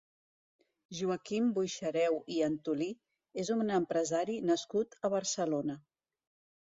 Joaquim Boixareu i Antolí és un empresari nascut a Barcelona.